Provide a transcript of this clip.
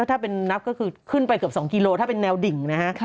ถ้าเป็นนับก็คือขึ้นไปเกือบ๒กิโลถ้าเป็นแนวดิ่งนะฮะ